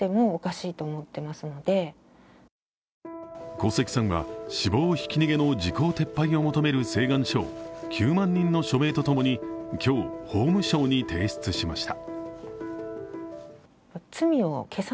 小関さんは、死亡ひき逃げの時効撤廃を求める請願書を９万人の署名と共に今日、法務省に提出しました。